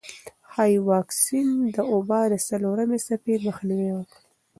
ښايي واکسین د وبا د څلورمې څپې مخنیوی وکړي.